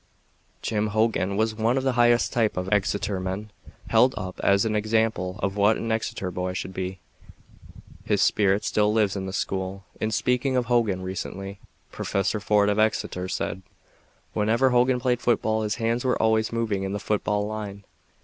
Jim Hogan was one of the highest type of Exeter men, held up as an example of what an Exeter boy should be. His spirit still lives in the school. In speaking of Hogan recently, Professor Ford of Exeter, said: "Whenever Hogan played football his hands were always moving in the football line.